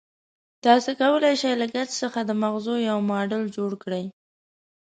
تاسې کولای شئ له ګچ څخه د مغزو یو ماډل جوړ کړئ.